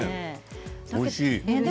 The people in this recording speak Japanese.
おいしい。